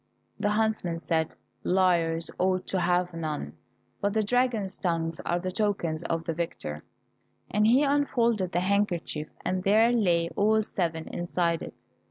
The huntsman said, "Liars ought to have none, but the dragon's tongues are the tokens of the victor," and he unfolded the handkerchief, and there lay all seven inside it.